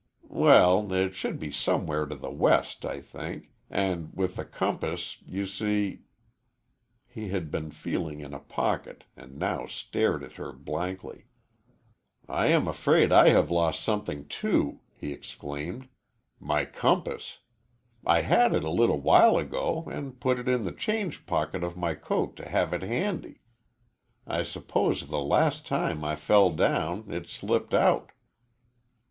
"Well, it should be somewhere to the west, I think, and with the compass, you see " He had been feeling in a pocket and now stared at her blankly. "I am afraid I have lost something, too," he exclaimed, "my compass. I had it a little while ago and put it in the change pocket of my coat to have it handy. I suppose the last time I fell down, it slipped out."